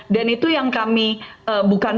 dan itu yang kami bukan